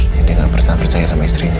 dia nggak pernah percaya sama istrinya